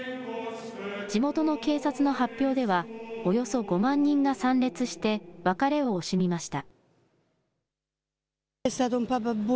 地元の警察の発表では、およそ５万人が参列して、別れを惜しみました。